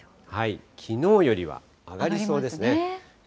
きのうよりは上がりそうですね。